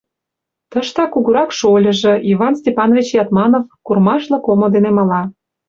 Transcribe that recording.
Тыштак кугурак шольыжо, Иван Степанович Ятманов, курымашлык омо дене мала...